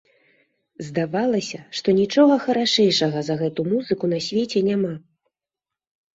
Здавалася, што нічога харашэйшага за гэту музыку на свеце няма.